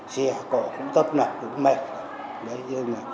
kích thước dưới một mươi micromet